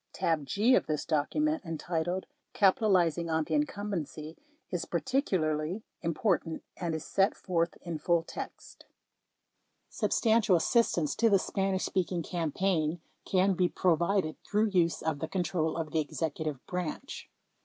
... Tab G of this document, entitled "Capitalizing on the Incumbency," is particularly important and is set forth in full text : Substantial assistance to the Spanish speaking campaign can be provided through use of the control of the Executive Branch.